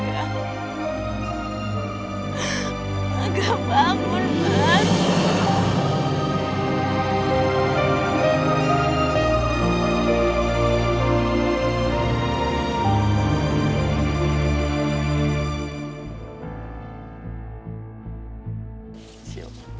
agak bangun mas